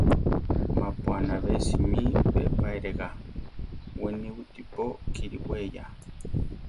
Mapu anabésimi be pa eregá, we niwítipo kiri we ya.